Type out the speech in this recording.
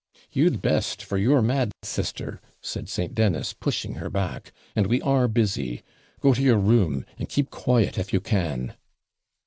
'You'd best; for you're mad, sister,' said St. Dennis, pushing her back; 'and we are busy; go to your room, and keep quiet, if you can.'